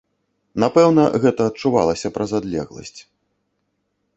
Напэўна, гэта адчувалася праз адлегласць.